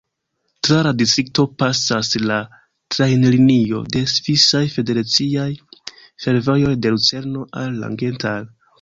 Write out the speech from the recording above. Tra la distrikto pasas la trajnlinio de Svisaj Federaciaj Fervojoj de Lucerno al Langenthal.